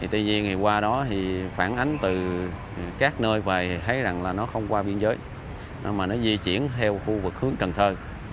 tuy nhiên ngày qua đó thì phản ánh từ các nơi và thấy rằng là nó không qua biên giới mà nó di chuyển theo khu vực hướng cần thơ